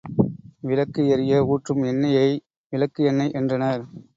விளக்கு எரிய ஊற்றும் எண்ணெயை, விளக்கு எண்ணெய் என்றனர்.